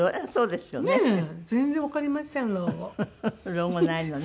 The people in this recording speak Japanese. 老後ないのね。